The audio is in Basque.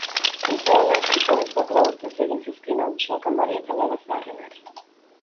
Antza denez, gizonezkoak lau urtez egin zizkien abusuak amari eta alaba zaharrenari.